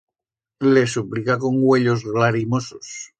Le suplica con uellos glarimosos.